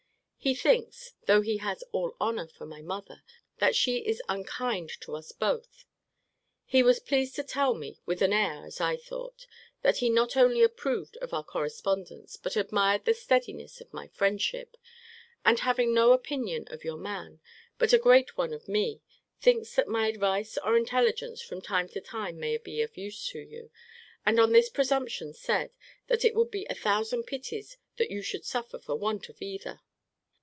He thinks, though he has all honour for my mother, that she is unkind to us both. He was pleased to tell me (with an air, as I thought) that he not only approved of our correspondence, but admired the steadiness of my friendship; and having no opinion of your man, but a great one of me, thinks that my advice or intelligence from time to time may be of use to you; and on this presumption said, that it would be a thousand pities that you should suffer for want of either.